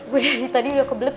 gue dari tadi udah kebelet